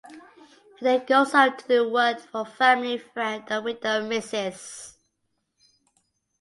He then goes off to do work for family friend and widow Mrs.